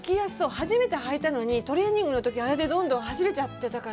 初めて履いたのに、トレーニングのときはあれでどんどん走れちゃったから。